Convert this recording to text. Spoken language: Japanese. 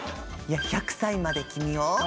「１００歳まで君を」